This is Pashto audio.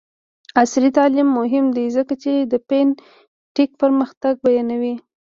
عصري تعلیم مهم دی ځکه چې د فین ټیک پرمختګ بیانوي.